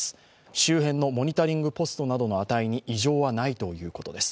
周辺のモニタリングポストなどの値に異常はないということです。